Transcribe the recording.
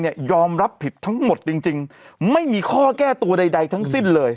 ยอมรับผิดทั้งหมดจริงจริงไม่มีข้อแก้ตัวใดทั้งสิ้นเลย